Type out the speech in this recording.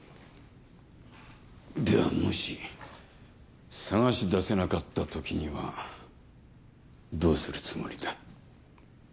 ではもし探し出せなかった時にはどうするつもりだ？